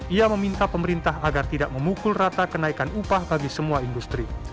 ia meminta pemerintah agar tidak memukul rata kenaikan upah bagi semua industri